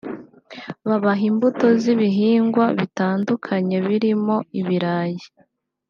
babaha imbuto z’ibihingwa bitandukanye birimo ibirayi